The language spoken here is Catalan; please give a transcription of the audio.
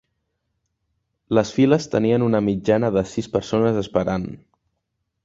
Les files tenien una mitjana de sis persones esperant.